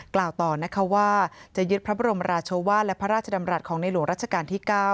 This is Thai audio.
กล่าวต่อนะคะว่าจะยึดพระบรมราชวาสและพระราชดำรัฐของในหลวงรัชกาลที่๙